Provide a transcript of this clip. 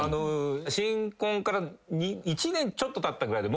新婚から１年ちょっとたったぐらいで。